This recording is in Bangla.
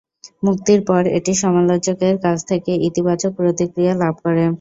মুক্তির পর এটি সমালোচকদের কাছ থেকে ইতিবাচক প্রতিক্রিয়া লাভ করে।